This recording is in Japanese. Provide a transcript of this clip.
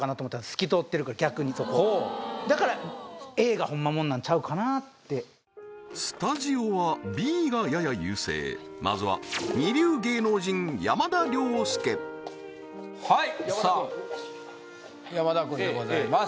透き通ってるから逆にそこだからＡがほんまもんなんちゃうかなってスタジオはＢがやや優勢まずははいさあ山田君山田君でございます